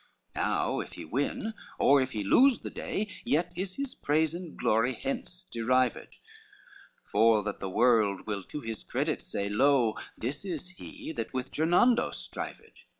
XX Now, if he win, or if he lose the day, Yet is his praise and glory hence derived, For that the world will, to his credit, say, Lo, this is he that with Gernando strived.